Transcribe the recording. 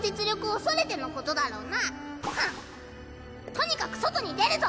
とにかく外に出るぞ。